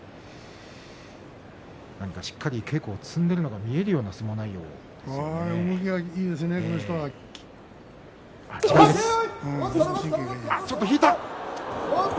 何かしっかり稽古を積んでいるのが見えるような相撲内容ですが。